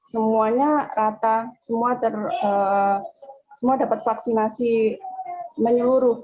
semuanya rata semua dapat vaksinasi menyeluruh